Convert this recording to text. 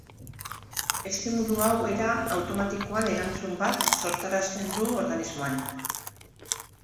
Estimulu hau era automatikoan erantzun bat sortarazten du organismoan.